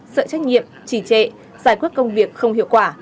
sợ trách nhiệm trì trệ giải quyết công việc không hiệu quả